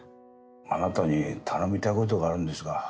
あなたに頼みたいことがあるんですが。